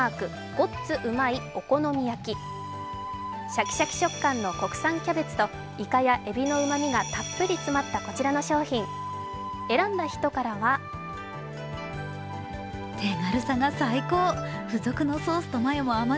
シャキシャキ食感の国産キャベツといかやえびのうまみがたっぷり詰まったこちらの商品、選んだ人からは続いて第２位。